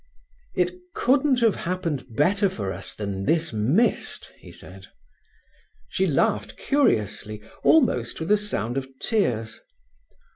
"It couldn't have happened better for us than this mist," he said. She laughed curiously, almost with a sound of tears.